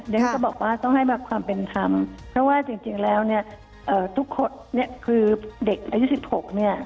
เด็กเขาก็บอกว่าต้องให้ความเป็นคำเค้าว่าจริงแล้วทุกคนคือเด็กปี๙๖